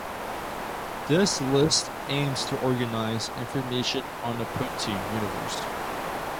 This list aims to organize information on the protein universe.